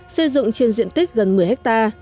xây dựng trên diện tích gần một mươi ha